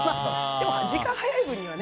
でも、時間が早い分にはね。